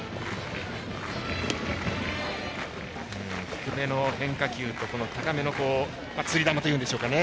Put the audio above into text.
低めの変化球と高めのつり球というんですかね